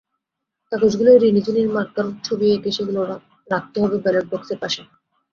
কাগজগুলোয় রিনি-ঝিনির মার্কার ছবি এঁকে সেগুলো রাখতে হবে ব্যালট বাক্সের পাশে।